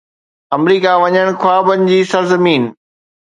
آمريڪا وڃڻ، خوابن جي سرزمين